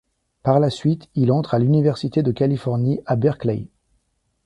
Par la suite il entre à l'Université de Californie à Berkeley.